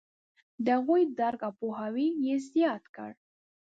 د هغوی درک او پوهاوی یې زیات کړ.